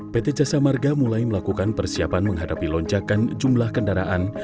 pt jasa marga mulai melakukan persiapan menghadapi lonjakan jumlah kendaraan